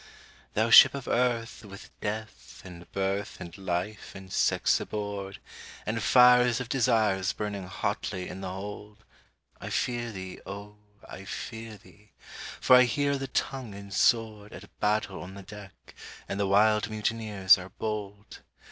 "Thou Ship of Earth, with Death, and Birth, and Life, and Sex aboard, And fires of Desires burning hotly in the hold, I fear thee, O! I fear thee, for I hear the tongue and sword At battle on the deck, and the wild mutineers are bold!